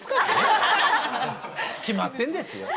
決まってんですよ。